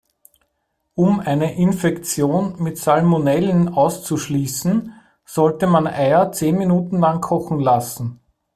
Um eine Infektion mit Salmonellen auszuschließen, sollte man Eier zehn Minuten lang kochen lassen.